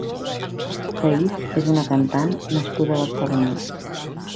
Tahis és una cantant nascuda a Barcelona.